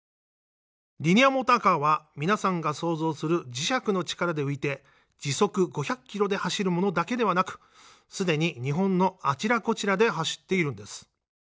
リニアモーターカーは皆さんが想像する磁石の力で浮いて時速５００キロで走るものだけではなくすでに日本のあちらこちらで走っているんです。